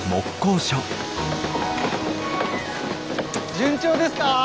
順調ですか？